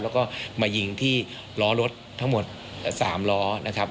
แล้วก็มายิงที่ล้อรถทั้งหมด๓ล้อนะครับ